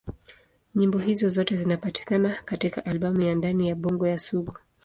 Nyimbo hizo zote zinapatikana katika albamu ya Ndani ya Bongo ya Sugu.